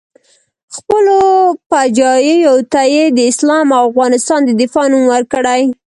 خپلو فجایعو ته یې د اسلام او افغانستان د دفاع نوم ورکړی.